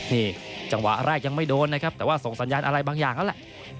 นี่จังหวะแรกยังไม่โดนนะครับแต่ว่าส่งสัญญาณอะไรบางอย่างแล้วแหละ